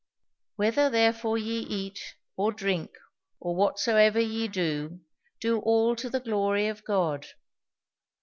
"'Whether therefore ye eat, or drink, or whatsoever ye do, do all to the glory of God.'"